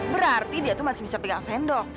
berarti dia itu masih bisa pegang sendok